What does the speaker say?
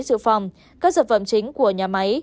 sử phòng các sản phẩm chính của nhà máy